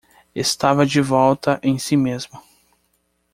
Estava de volta em si mesmo.